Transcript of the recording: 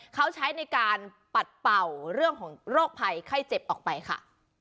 เขาใช้ในการปัดเป่าเรื่องของโรคภัยไข้เจ็บออกไปค่ะ